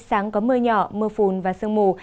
sáng có mưa nhỏ mưa phùn và sương mù